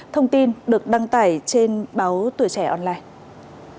thông tin được đăng tải trên báo tuổi trẻ online